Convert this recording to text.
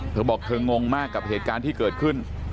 เธอบอกเธองงมากกับเหตุการณ์ที่เกิดขึ้น